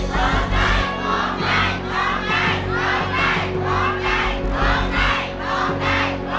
ร้องได้